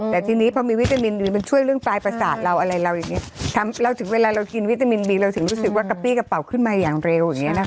แต่ทีนี้พอมีวิตามินดีมันช่วยเรื่องปลายประสาทเราอะไรเราอย่างนี้เราถึงเวลาเรากินวิตามินบีเราถึงรู้สึกว่ากระปี้กระเป๋าขึ้นมาอย่างเร็วอย่างเงี้นะคะ